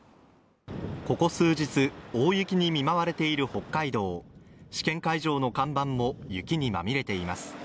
ここ数日大雪に見舞われている北海道試験会場の看板も雪にまみれています